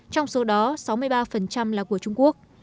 trong số đó sáu mươi ba là của trung quốc